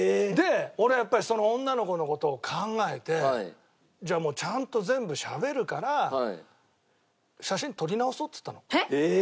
俺やっぱりその女の子の事を考えて「じゃあもうちゃんと全部しゃべるから写真撮り直そう」っつったの。